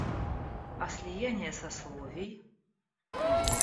А слияние сословий?